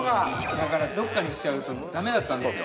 ◆だから、どこかにしちゃうとだめだったんですよ。